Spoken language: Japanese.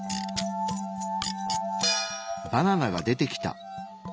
バナナが出てきた。